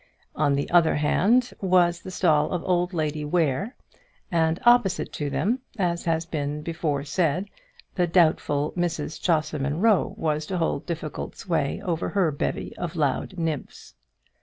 On their other hand was the stall of old Lady Ware, and opposite to them, as has been before said, the doubtful Mrs Chaucer Munro was to hold difficult sway over her bevy of loud nymphs.